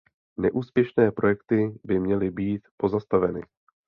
Neúspěšné projekty by měly být pozastaveny.